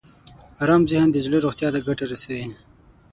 ارام ذهن د زړه روغتیا ته ګټه رسوي.